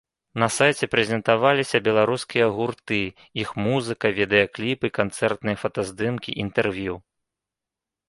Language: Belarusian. На сайце прэзентаваліся беларускія гурты, іх музыка, відэакліпы, канцэртныя фотаздымкі, інтэрв'ю.